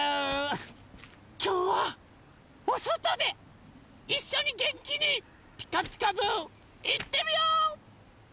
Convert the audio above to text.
きょうはおそとでいっしょにげんきに「ピカピカブ！」いってみよう！